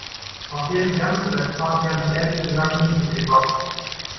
Auf deren Gammelfleischparty habe ich ehrlich gesagt nicht so viel Bock.